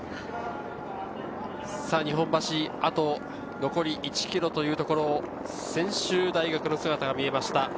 日本橋、あと残り１ｋｍというところを専修大学の姿が見えました。